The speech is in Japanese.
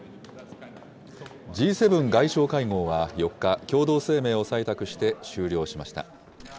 Ｇ７外相会合は４日、共同声明を採択して終了しました。